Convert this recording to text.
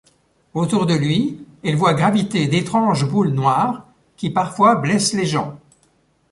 Autour de lui elle voit graviter d'étranges boules noires, qui parfois blessent les gens.